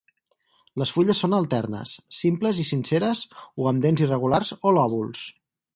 Les fulles són alternes, simples i senceres o amb dents irregulars o lòbuls.